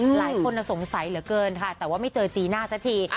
หลายคนสงสัยเหลือเกินค่ะแต่ว่าไม่เจอจีน่าสักที